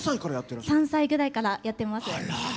３歳ぐらいからやっています。